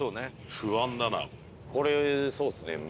これそうですね。